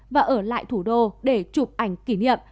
và ở lại thủ đô để chụp ảnh kỷ niệm